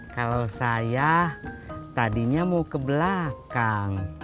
kalau saya tadinya mau ke belakang